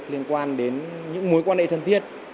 liên quan đến những mối quan hệ thân thiết